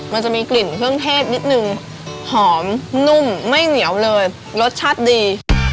มันจะมีกลิ่นเครื่องเทศนิดนึงหอมนุ่มไม่เหนียวเลยรสชาติดี